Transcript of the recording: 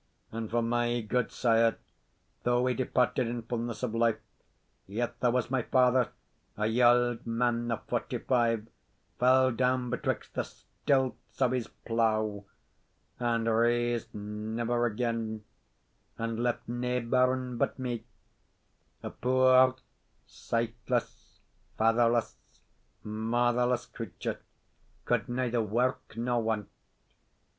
And for my gudesire, though he departed in fulness of life, yet there was my father, a yauld man of forty five, fell down betwixt the stilts of his plough, and rase never again, and left nae bairn but me, a puir, sightless, fatherless, motherless creature, could neither work nor want.